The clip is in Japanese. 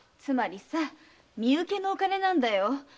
つまりさ身請けのお金なんだよ。